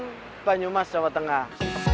di banjumas jawa tengah